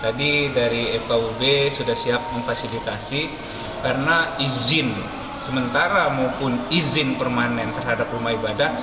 tadi dari fkub sudah siap memfasilitasi karena izin sementara maupun izin permanen terhadap rumah ibadah